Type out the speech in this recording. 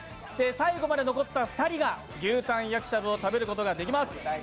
最後まで残った２人が、牛タン焼きしゃぶを食べることができます。